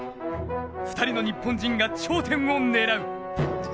２人の日本人が頂点を狙う。